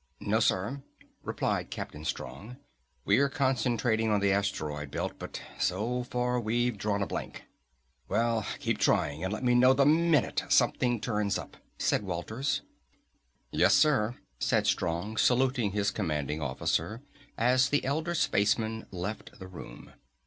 "No, sir," replied Captain Strong. "We're concentrating on the asteroid belt, but so far we've drawn a blank." "Well, keep trying and let me know the minute something turns up," said Walters. "Yes, sir," said Strong, saluting his commanding officer as the elder spaceman left the room.